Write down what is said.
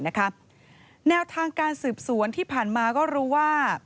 แนวทางการสืบสวนที่ผ่านมาก็รู้ว่า